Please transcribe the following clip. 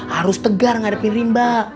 harus tegar ngadepin rimba